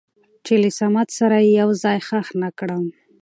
چې له صمد سره يې يو ځاى خښ نه کړم.